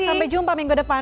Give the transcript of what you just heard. sampai jumpa minggu depan